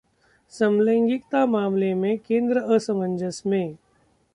समलैंगिकता मामले में केंद्र असमंजस में